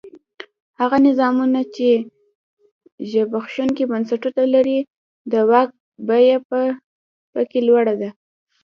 هغه نظامونه چې زبېښونکي بنسټونه لري د واک بیه په کې لوړه ده.